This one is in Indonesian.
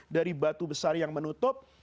dari batu besar yang menutup